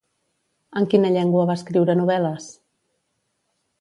En quina llengua va escriure novel·les?